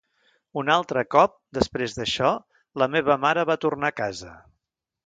Un altre cop, després d’això, la meva mare va tornar a casa.